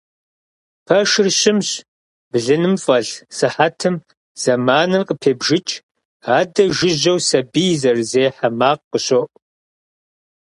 Пэшыр щымщ, блыным фӏэлъ сыхьэтым зэманыр къыпебжыкӏ, адэ жыжьэу сэбий зэрызехьэ макъ къыщоӏу.